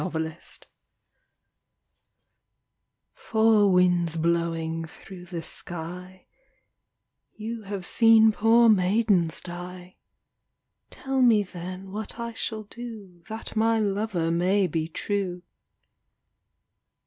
Four Winds "Four winds blowing through the sky, You have seen poor maidens die, Tell me then what I shall do That my lover may be true."